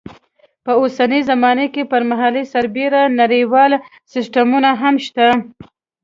په اوسنۍ زمانه کې پر محلي سربېره نړیوال سیسټمونه هم شته.